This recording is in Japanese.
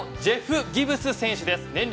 渋谷のジェフ・ギブス選手です